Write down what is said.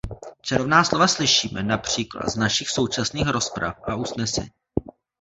Čarovná slova slyšíme například z našich současných rozprav a usnesení.